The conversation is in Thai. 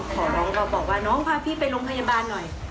ของน้องก็บอกว่าน้องพาพี่ไปโรงพยาบาลหน่อย